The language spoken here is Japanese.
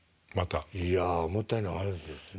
いやもったいない話ですね。